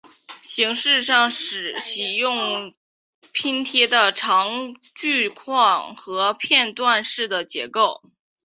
形式上喜用拼贴的长矩状和片段式的结构。